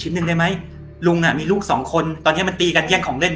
หนึ่งได้ไหมลุงอ่ะมีลูกสองคนตอนนี้มันตีกันแย่งของเล่น